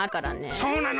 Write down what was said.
そうなの？